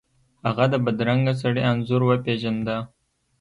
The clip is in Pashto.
هغه د بدرنګه سړي انځور وپیژنده.